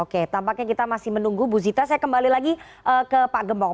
oke tampaknya kita masih menunggu bu zita saya kembali lagi ke pak gembong